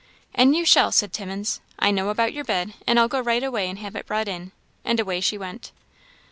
"And you shall," said Timmins. "I know about your bed, and I'll go right away and have it brought in." And away she went.